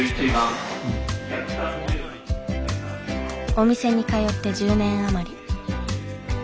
お店に通って１０年余り。